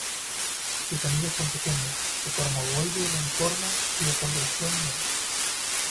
Sus semillas son pequeñas, de forma ovoide a reniforme y de coloración negra.